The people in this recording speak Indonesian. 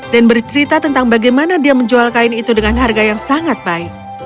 dan bercerita tentang bagaimana dia menjual kain itu dengan harga yang sangat baik